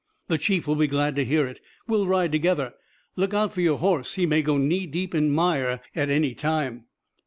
"The chief will be glad to hear it. We'll ride together. Look out for your horse! He may go knee deep into mire at any time.